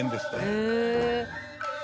へえ。